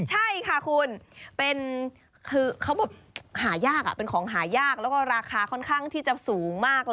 ใช่ค่ะคุณเป็นของหายากและราคาเป็นช่วงที่จะสูงมาก